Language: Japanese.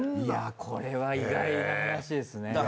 いやこれは意外な話ですね。